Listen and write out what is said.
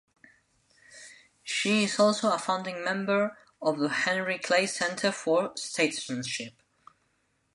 She is also a founding member of the Henry Clay Center for Statesmanship.